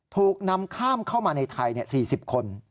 ถูกนำข้ามเข้ามาในไทย๔๐คน